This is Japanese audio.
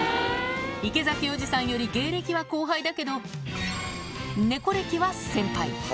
池崎おじさんより芸歴は後輩だけど、猫歴は先輩。